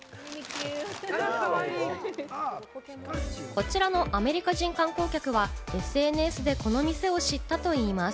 こちらのアメリカ人観光客は、ＳＮＳでこの店を知ったといいます。